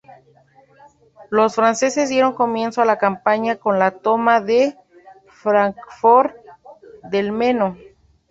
Los franceses dieron comienzo a la campaña con la toma de Fráncfort del Meno.